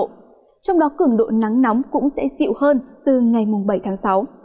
trong đó cường độ nắng nóng cũng sẽ xịu hơn từ ngày mùng bảy tháng sáu